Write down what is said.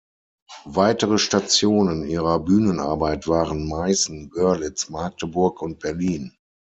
Weitere Stationen ihrer Bühnenarbeit waren Meißen, Görlitz, Magdeburg und Berlin.